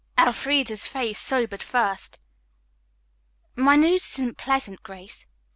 Elfreda's face sobered first. "My news isn't pleasant, Grace.